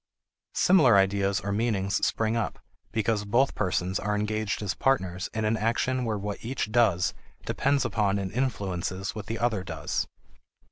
Similar ideas or meanings spring up because both persons are engaged as partners in an action where what each does depends upon and influences what the other does.